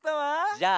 じゃあ。